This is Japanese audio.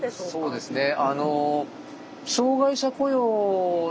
そうですね。